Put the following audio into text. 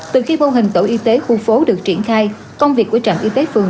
từ khi mô hình tổ y tế khu phố được triển khai công việc của trạm y tế phường